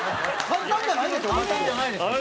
簡単じゃないですよ。